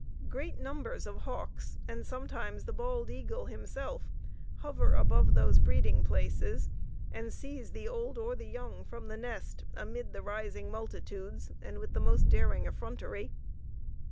Great numbers of hawks, and sometimes the bald eagle himself, hover above those breeding places, and seize the old or the young from the nest amidst the rising multitudes, and with the most daring effrontery.